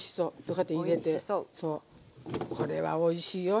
これはおいしいよ。